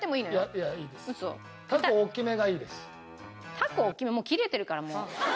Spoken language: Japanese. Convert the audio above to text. タコ大きめもう切れてるからもう。